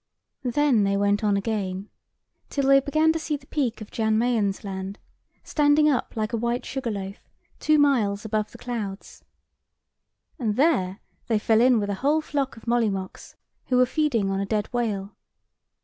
Then they went on again, till they began to see the peak of Jan Mayen's Land, standing up like a white sugar loaf, two miles above the clouds. And there they fell in with a whole flock of molly mocks, who were feeding on a dead whale.